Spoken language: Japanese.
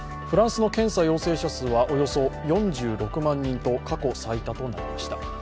フランスの検査陽性者数はおよそ４６万人と過去最多となりました。